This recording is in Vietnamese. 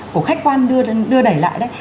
của khách quan đưa đẩy lại đấy